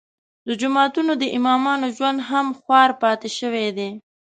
د جوماتونو د امامانو ژوند هم خوار پاتې شوی دی.